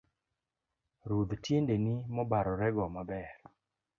Rudhi tiendeni mobarore go maber.